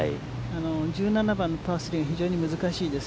１７番のパー３が非常に難しいです。